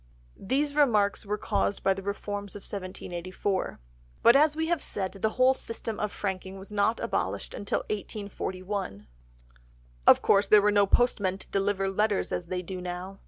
These remarks were caused by the reforms of 1784. But, as we have said, the whole system of franking was not abolished until 1841. Of course there were no postmen to deliver letters as they do now.